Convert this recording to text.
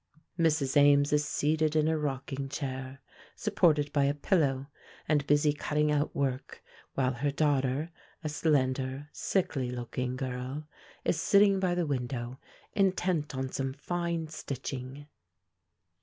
Mrs. Ames is seated in her rocking chair, supported by a pillow, and busy cutting out work, while her daughter, a slender, sickly looking girl, is sitting by the window, intent on some fine stitching.